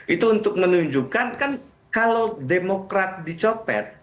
itu untuk menunjukkan kan kalau demokrat dicopet